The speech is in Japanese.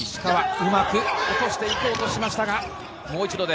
うまく落として行こうとしましたが、もう一度。